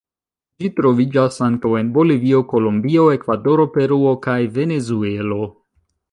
Ĝi troviĝas ankaŭ en Bolivio, Kolombio, Ekvadoro, Peruo kaj Venezuelo.